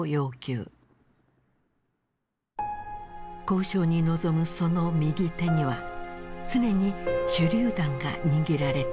交渉に臨むその右手には常に手榴弾が握られていた。